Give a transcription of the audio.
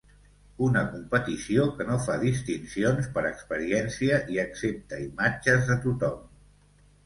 Una competició que no fa distincions per experiència i accepta imatges de tothom.